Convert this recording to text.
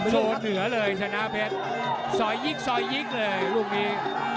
โชว์เหนือเลยชนะเพชรซอยยิกซอยยิกเลยลูกนี้